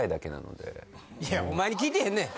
いやお前に聞いてへんねん！